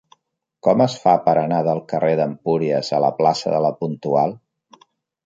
Com es fa per anar del carrer d'Empúries a la plaça de La Puntual?